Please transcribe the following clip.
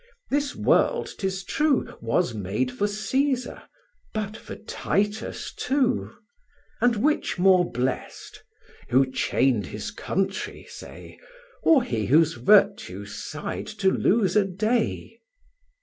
This world, 'tis true, Was made for Cæsar—but for Titus too: And which more blest? who chained his country, say, Or he whose virtue sighed to lose a day?